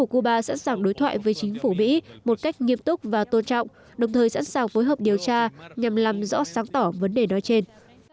cuba sẵn sàng đối thoại với chính phủ mỹ một cách nghiêm túc và tôn trọng đồng thời sẵn sàng phối hợp điều tra nhằm làm rõ sáng tỏ vấn đề đó trên